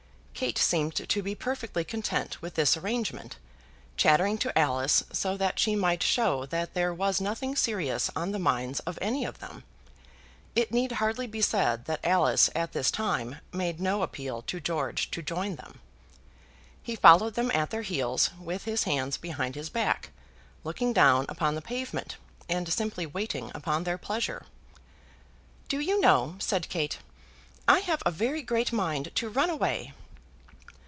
Kate seemed to be perfectly content with this arrangement, chattering to Alice, so that she might show that there was nothing serious on the minds of any of them. It need hardly be said that Alice at this time made no appeal to George to join them. He followed them at their heels, with his hands behind his back, looking down upon the pavement and simply waiting upon their pleasure. "Do you know," said Kate, "I have a very great mind to run away."